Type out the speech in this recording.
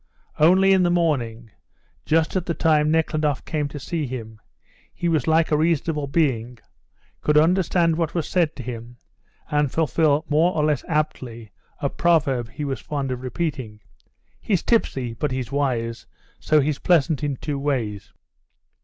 Only in the morning, just at the time Nekhludoff came to see him, he was like a reasonable being, could understand what was said to him, and fulfil more or less aptly a proverb he was fond of repeating: "He's tipsy, but he's wise, so he's pleasant in two ways."